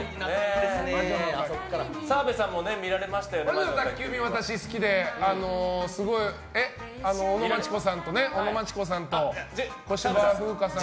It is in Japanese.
「魔女の宅急便」は私好きで尾野真千子さんと小芝風花さんと。